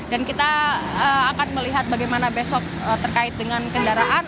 dan kita akan melihat bagaimana besok terkait dengan kendaraan